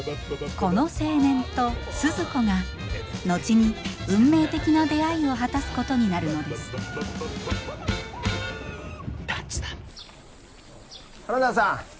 この青年とスズ子が後に運命的な出会いを果たすことになるのです花田さん